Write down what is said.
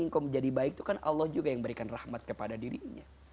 engkau menjadi baik itu kan allah juga yang memberikan rahmat kepada dirinya